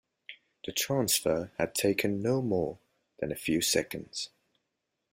The transfer had taken no more than a few seconds.